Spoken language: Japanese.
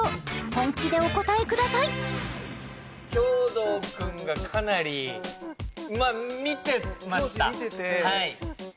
本気でお答えください兵頭君がかなり見てました？